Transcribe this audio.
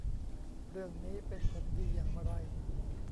เรื่องนี้เป็นผลดีอย่างไร